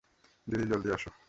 দিদি, জলদি আসো!